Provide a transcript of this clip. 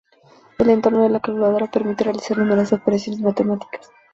El entorno de la calculadora permite realizar numerosas operaciones matemáticas.